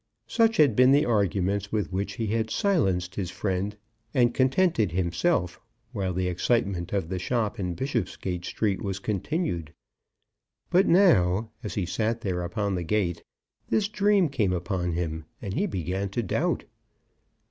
Such had been the arguments with which he had silenced his friend and contented himself, while the excitement of the shop in Bishopsgate Street was continued; but now, as he sat there upon the gate, this dream came upon him, and he began to doubt.